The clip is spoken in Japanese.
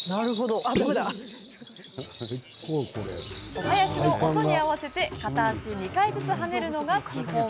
お囃子の音に合わせて片足２回ずつ跳ねるのが基本。